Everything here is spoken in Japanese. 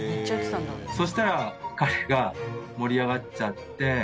そしたら彼が盛り上がっちゃって。